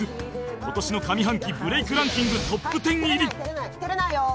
今年の上半期ブレイクランキングトップ１０入り